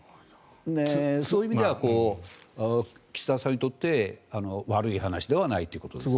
そういう意味では岸田さんにとって悪い話ではないということです。